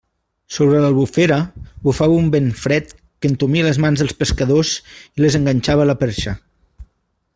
Sobre l'Albufera bufava un vent fred que entumia les mans dels pescadors i les enganxava a la perxa.